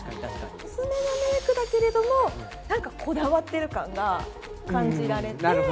薄めのメイクだけれども何かこだわってる感が感じられて。